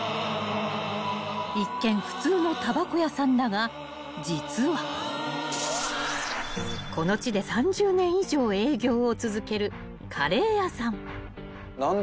［一見普通のたばこ屋さんだが実はこの地で３０年以上営業を続けるカレー屋さん］